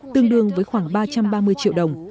tương đương với khoảng ba trăm ba mươi triệu đồng